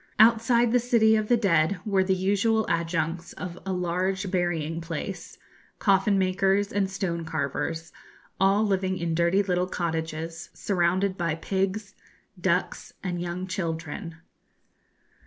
Outside the city of the dead were the usual adjuncts of a large burying place coffin makers and stone carvers, all living in dirty little cottages, surrounded by pigs, ducks, and young children.